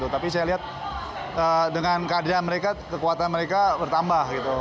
tapi saya lihat dengan keadaan mereka kekuatan mereka bertambah